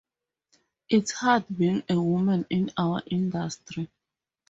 It's hard being a woman in our industry.